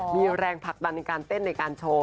มีแรงผลักดันในการเต้นในการโชว์